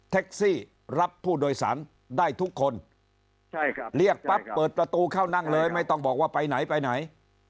รับผู้โดยสารได้ทุกคนเรียกปั๊บเปิดประตูเข้านั่งเลยไม่ต้องบอกว่าไปไหนไปไหน